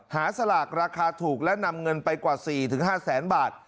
สลากราคาถูกและนำเงินไปกว่า๔๕แสนบาท